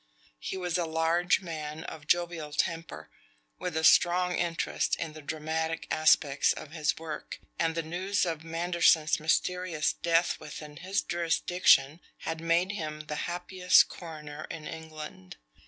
He was a large man of jovial temper, with a strong interest in the dramatic aspects of his work, and the news of Manderson's mysterious death within his jurisdiction had made him the happiest coroner in England.